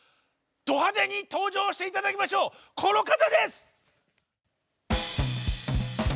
ド派手に登場して頂きましょうこの方です！